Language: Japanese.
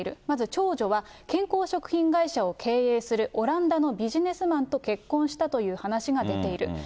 まず長女は、健康食品会社を経営するオランダのビジネスマンと結婚したという話が出ている。